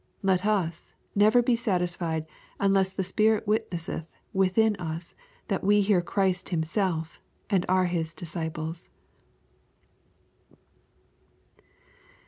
Let us never be satisfied unless the Spirit witnesseth within us that we hear Christ Himself, and are His disciples.